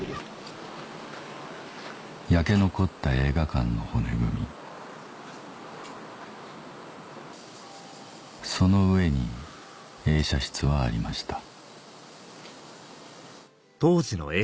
焼け残った映画館の骨組みその上に映写室はありました